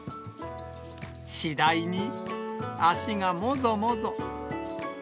次第に、足がもぞもぞ。